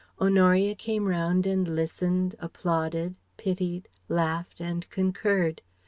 Honoria came round and listened, applauded, pitied, laughed and concurred.